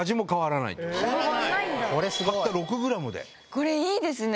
これいいですね！